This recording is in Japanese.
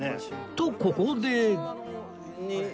とここで